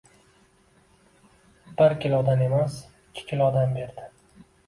Bir kilodan emas, ikki kilodan berdi.